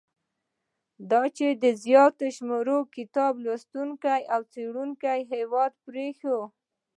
دا چې یو زیات شمیر کتاب لوستونکو او څېړونکو هیواد پریښی.